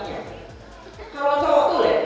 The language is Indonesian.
cuma kalau yang kak tulen